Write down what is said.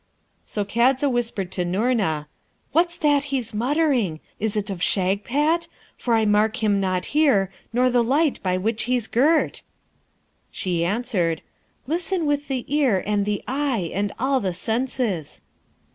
So Kadza whispered to Noorna, 'What's that he's muttering? Is't of Shagpat? for I mark him not here, nor the light by which he's girt.' She answered, 'Listen with the ear and the eye and all the senses.'